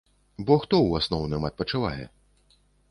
Бо хто ў асноўным адпачывае?